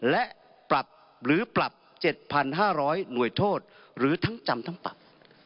และปรับหรือปรับ๗๕๐๐หน่วยโทษหรือทั้งจำทั้งปรับ